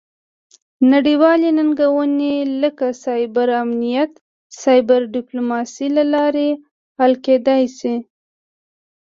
نړیوالې ننګونې لکه سایبر امنیت د سایبر ډیپلوماسي له لارې حل کیدی شي